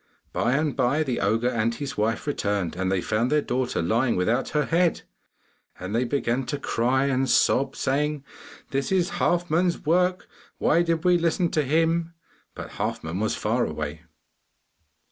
By and by the ogre and his wife returned and found their daughter lying without her head, and they began to cry and sob, saying, 'This is Halfman's work, why did we listen to him?' But Halfman was far away.